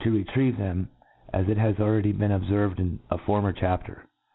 iSf retrieve them, as it has b^cn already obferved in a former chapter.